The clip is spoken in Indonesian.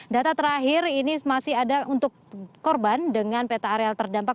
data terakhir ini masih ada untuk korban dengan peta areal terdampak